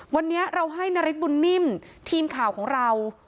วันนี้เราให้นาริสบุญนิ่มทีมข่าวของเรา